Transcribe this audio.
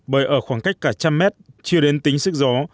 bởi ở khoảng cách cả một trăm linh m chưa đến tính sức gió